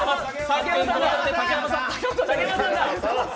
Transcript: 竹山さんだ！